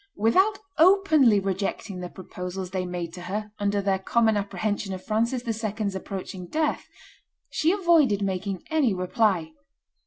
Without openly rejecting the proposals they made to her under their common apprehension of Francis II.'s approaching death, she avoided making any reply.